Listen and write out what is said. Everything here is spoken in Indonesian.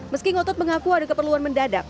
meski ngotot mengaku ada keperluan mendadak